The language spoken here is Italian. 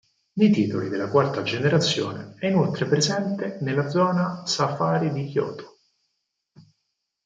Nei titoli della quarta generazione è inoltre presente nella Zona Safari di Johto.